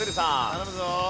頼むぞ。